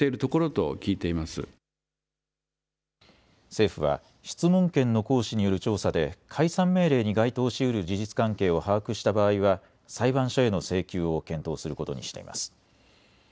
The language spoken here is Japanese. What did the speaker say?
政府は質問権の行使による調査で解散命令に該当しうる事実関係を把握した場合は裁判所への請求を検討することにしています。